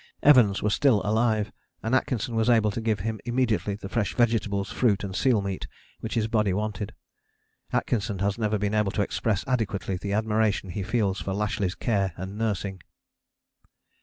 Evans was still alive, and Atkinson was able to give him immediately the fresh vegetables, fruit, and seal meat which his body wanted. Atkinson has never been able to express adequately the admiration he feels for Lashly's care and nursing.